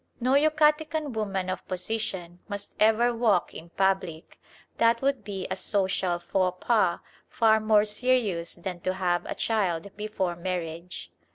No Yucatecan woman of position must ever walk in public: that would be a social faux pas far more serious than to have a child before marriage.